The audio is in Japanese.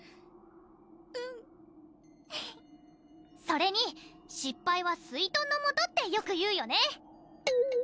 うんそれに「失敗はスイトンのもと」ってよく言うよね！